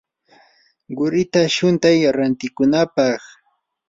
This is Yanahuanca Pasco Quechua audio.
qurita shuntay rantikunapaq.